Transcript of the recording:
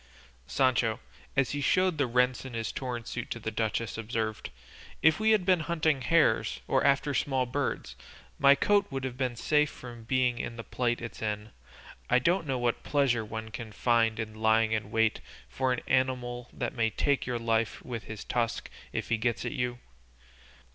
Sancho, as he showed the rents in his torn suit to the duchess, observed, "If we had been hunting hares, or after small birds, my coat would have been safe from being in the plight it's in; I don't know what pleasure one can find in lying in wait for an animal that may take your life with his tusk if he gets at you.